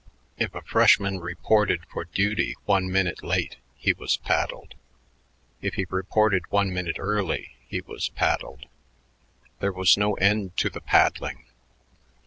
If a freshman reported for duty one minute late, he was paddled; if he reported one minute early, he was paddled. There was no end to the paddling.